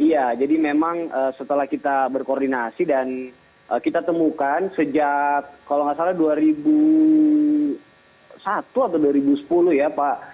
iya jadi memang setelah kita berkoordinasi dan kita temukan sejak kalau nggak salah dua ribu satu atau dua ribu sepuluh ya pak